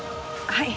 はい。